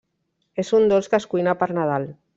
És un dolç que es cuina per Nadal.